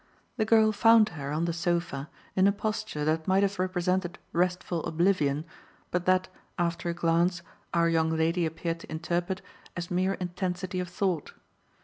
The girl found her, on the sofa, in a posture that might have represented restful oblivion, but that, after a glance, our young lady appeared to interpret as mere intensity of thought.